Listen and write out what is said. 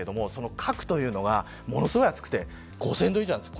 核というのがものすごく熱くて５０００度以上です。